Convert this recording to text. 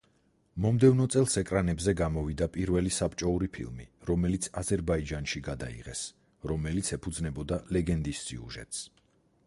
მომდევნო წელს ეკრანებზე გამოვიდა პირველი საბჭოური ფილმი, რომელიც აზერბაიჯანში გადაიღეს, რომელიც ეფუძნებოდა ლეგენდის სიუჟეტს.